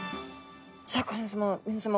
シャーク香音さま皆さま